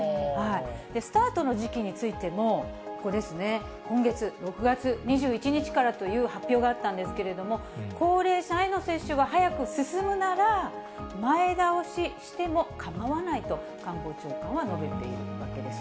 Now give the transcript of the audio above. スタートの時期についても、ここですね、今月・６月２１日からという発表があったんですけれども、高齢者への接種が早く進むなら、前倒ししてもかまわないと官房長官は述べているわけです。